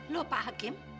loh pak hakim